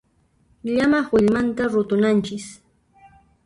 Llamaq willmanta rutunanchis.